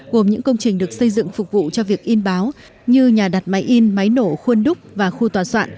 gồm những công trình được xây dựng phục vụ cho việc in báo như nhà đặt máy in máy nổ khuôn đúc và khu tòa soạn